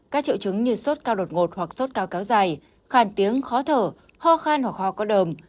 các triệu chứng như sốt cao đột ngột hoặc sốt cao kéo dài khan tiếng khó thở ho khan hoặc ho có đờm